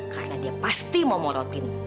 karena dia pasti mau morotin